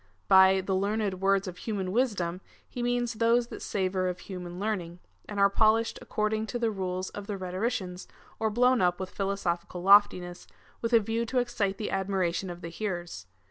By the learned words of human wisdom^ he means those tliat savour of human learning, and are polished according to the rules of the rhetoricians, or blown up with philosophical loftiness, with a view to excite the admiration of the hear ers.